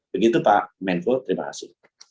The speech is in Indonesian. begitu pak menko terima kasih